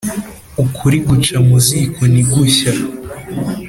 ukuri guca muziko ntigushya